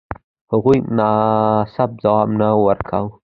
هغوی مناسب ځواب نه ورکاوه.